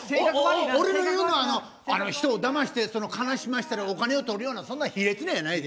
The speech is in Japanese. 俺の言うのはな人をだまして悲しませたりお金をとるようなそんな卑劣なのやないで。